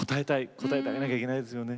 応えてあげなきゃいけないですよね。